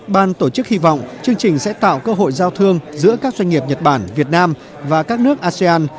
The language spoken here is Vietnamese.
ban tổ chức hy vọng chương trình sẽ tạo cơ hội giao thương giữa các doanh nghiệp nhật bản việt nam và các nước asean